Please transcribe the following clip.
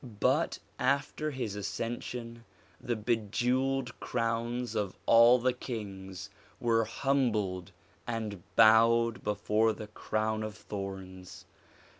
But after his ascension the bejewelled crowns of all the kings were humbled and bowed before the crown of thorns.